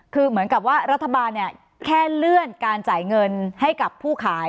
คือเหมือนกับว่ารัฐบาลแค่เลื่อนการจ่ายเงินให้กับผู้ขาย